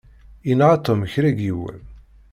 Yenɣa Tom kra n yiwen.